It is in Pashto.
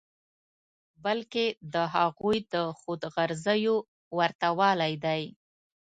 بلکې د هغوی د خود غرضیو ورته والی دی.